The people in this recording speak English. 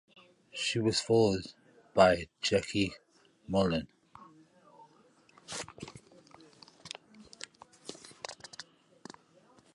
She was followed by Jacqui Mullen.